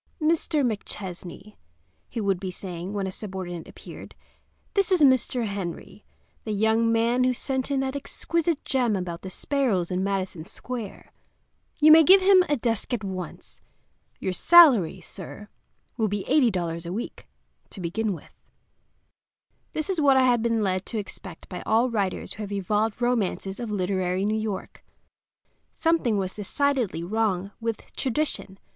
"Mr. McChesney," he would be saying when a subordinate appeared, "this is Mr. Henry, the young man who sent in that exquisite gem about the sparrows in Madison Square. You may give him a desk at once. Your salary, sir, will be $80 a week, to begin with." This was what I had been led to expect by all writers who have evolved romances of literary New York. Something was decidedly wrong with tradition.